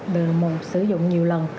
được sử dụng nhiều lần